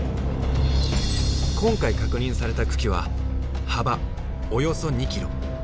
今回確認された群来は幅およそ２キロ。